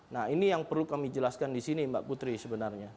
nah ini yang perlu kami jelaskan di sini mbak putri sebenarnya